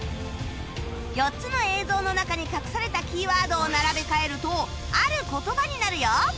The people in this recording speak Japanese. ４つの映像の中に隠されたキーワードを並べ替えるとある言葉になるよ